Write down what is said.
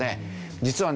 実はね